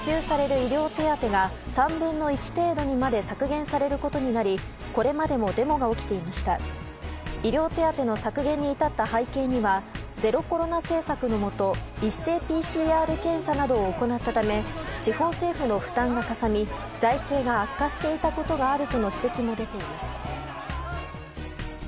医療手当の削減に至った背景にはゼロコロナ政策のもと一斉ＰＣＲ検査などを行ったため地方政府の負担がかさみ財政が悪化していたことがあるとの指摘も出ています。